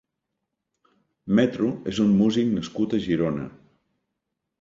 Metro és un músic nascut a Girona.